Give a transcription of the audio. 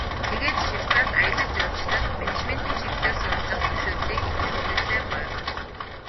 Тэгээд Швейцарьт аялал жуулчлал, менежментийн чиглэлээр суралцах зөвшөөрлийг эцэг эхээсээ гуйв.